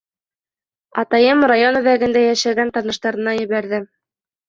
— Атайым район үҙәгендә йәшәгән таныштарына ебәрҙе.